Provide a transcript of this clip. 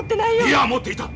いや持っていた！